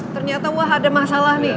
ternyata wah ada masalah nih